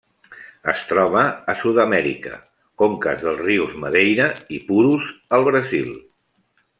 Es troba a Sud-amèrica: conques dels rius Madeira i Purus al Brasil.